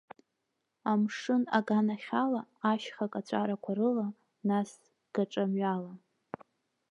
Амшын аганахь ала, ашьха-каҵәарақәа рыла, нас гаҿа-мҩала.